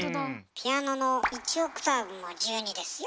ピアノの１オクターブも１２ですよ。